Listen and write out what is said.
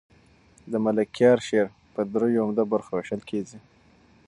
د ملکیار شعر په دریو عمده برخو وېشل کېږي.